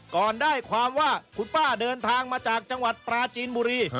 ก่อนได้ความว่าคุณป้าเดินทางมาจากจังหวัดปราจีนบุรี